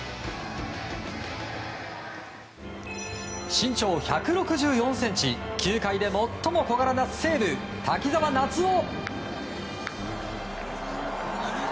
身長１６４ｃｍ球界で最も小柄な西武、滝澤夏央。